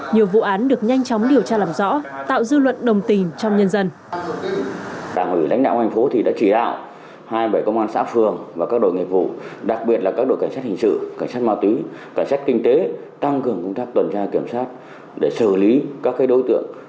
nhiều vụ án được nhanh chóng điều tra làm rõ tạo dư luận đồng tình trong nhân dân